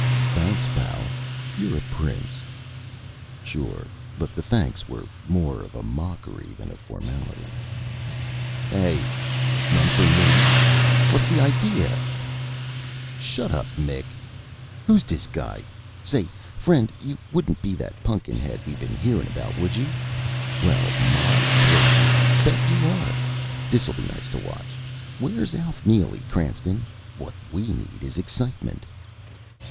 "Thanks, pal.... You're a prince...." Sure but the thanks were more of a mockery than a formality. "Hey! None for me? Whatsa idea?..." "Shuddup, Mic.... Who's dis guy?... Say, Friend you wouldn't be that pun'kin head we been hearin' about, would you?... Well my gracious bet you are! Dis'll be nice to watch!..." "Where's Alf Neely, Cranston? What we need is excitement."